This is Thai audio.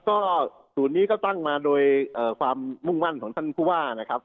ก็ศูนย์นี้ก็ตั้งมาโดยความมุ่งมั่นของท่านผู้ว่านะครับ